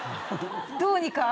どうにか。